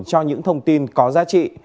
cho những thông tin có giá trị